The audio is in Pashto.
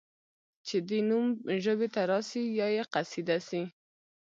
چي دي نوم ژبي ته راسي یا یا قصیده سي